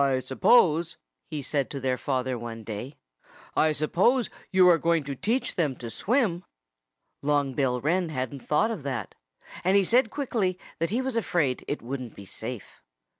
"I suppose " he said to their father one day "I suppose you are going to teach them to swim?" Long Bill Wren hadn't thought of that. And he said quickly that he was afraid it wouldn't be safe.